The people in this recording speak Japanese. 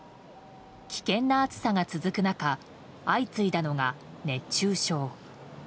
危険な暑さが続く中相次いだのが熱中症。